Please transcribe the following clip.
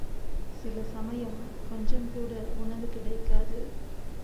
சிலசமயம் கொஞ்சம் கூட உணவு கிடைக்காது.